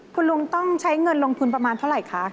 คุณลุงต้องใช้เงินลงทุนประมาณเท่าไหร่คะ